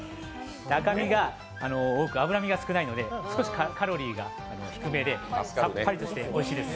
赤身が多く、脂身が少ないのでカロリーが少なめでさっぱりとしておいしいです。